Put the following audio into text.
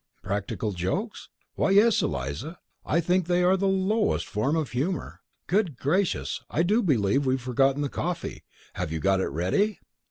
"Practical jokes? Why, yes, Eliza. I think they are the lowest form of humour. Good gracious! I do believe we've forgotten the coffee! Have you got it ready?"